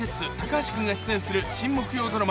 ・橋君が出演する新木曜ドラマ